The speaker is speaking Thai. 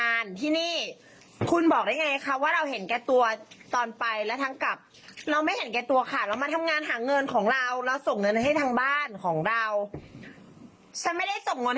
อ่ะเดี๋ยวให้คุณผู้ชมลองฟังคลิปนี้ก่อน